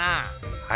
はい。